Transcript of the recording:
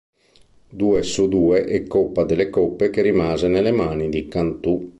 Due su due e Coppa delle Coppe che rimase nelle mani di Cantù.